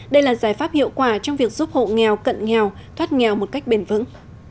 đây là giải pháp hiệu quả trong việc giúp hộ nghèo cận nghèo thoát nghèo một cách bền vững